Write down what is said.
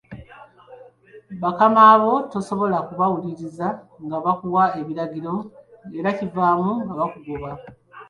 Bakamaabo tosobola kubawuliririza nga bakuwa ebiragiro era ekivaamu nga bakugoba.